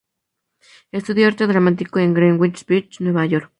Estudió arte dramático en Greenwich Village, Nueva York.